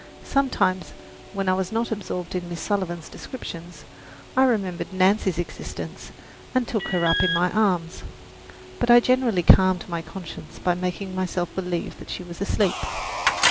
Sometimes, when I was not absorbed in Miss Sullivan's descriptions, I remembered Nancy's existence and took her up in my arms, but I generally calmed my conscience by making myself believe that she was asleep.